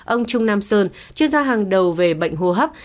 ông trung nam sơn chuyên gia hàng đầu về bệnh hô hấp